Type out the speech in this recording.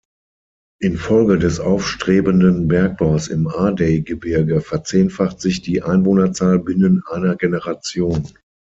Infolge des aufstrebenden Bergbaus im Ardeygebirge verzehnfacht sich die Einwohnerzahl binnen einer Generation.